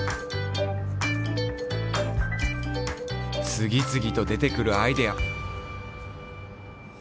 つぎつぎと出てくるアイデア。